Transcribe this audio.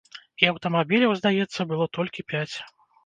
І аўтамабіляў, здаецца, было толькі пяць.